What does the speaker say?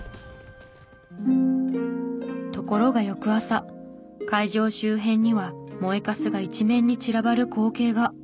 ところが翌朝会場周辺には燃えかすが一面に散らばる光景が。